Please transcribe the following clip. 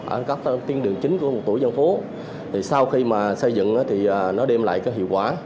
ở các tiên đường chính của một tổ dân phố sau khi xây dựng thì nó đem lại hiệu quả